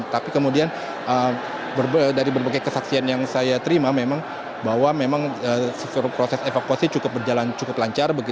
tapi kemudian dari berbagai kesaksian yang saya terima memang bahwa memang proses evakuasi cukup berjalan cukup lancar